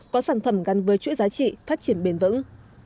có sản phẩm gắn với chuỗi giá trị phát triển bền vững